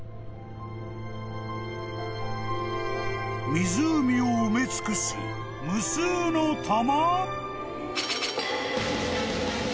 ［湖を埋め尽くす無数の球］